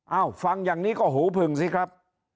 ฟังอย่างนี้ก็หูผึ่งสิครับ